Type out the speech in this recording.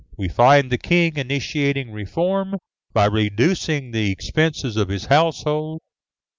We find the King initiating reform by reducing the expenses of his household.